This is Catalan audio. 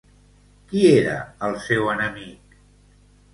Qui era el seu enemic?